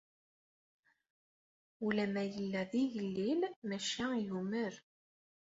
Ula ma yella d igellil, maca yumer.